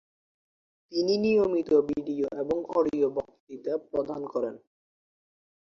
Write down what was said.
তিনি নিয়মিত ভিডিও এবং অডিও বক্তৃতা প্রদান করেন।